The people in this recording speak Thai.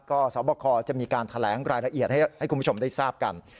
ก็สอบคอจะมีการแถลงรายละเอียดให้คุณผู้ชมได้ทราบกัน